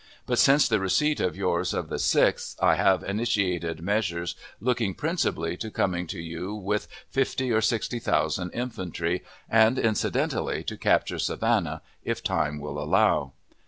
But, since the receipt of yours of the 6th, I have initiated measures looking principally to coming to you with fifty or Sixty thousand infantry, and incidentally to capture Savannah, if time will allow.